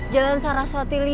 jalan saraswati lima